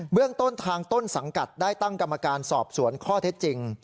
เรื่องต้นทางต้นสังกัดได้ตั้งกรรมการสอบสวนข้อเท็จจริง